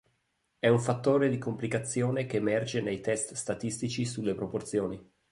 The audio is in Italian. È un fattore di complicazione che emerge nei test statistici sulle proporzioni.